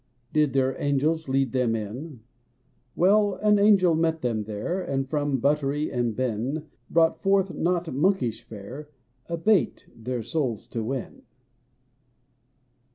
Did their angels lead them in? Well, an angel met them there, And from buttery and bin Brought forth — not monkish fare — A bait, their souls to win.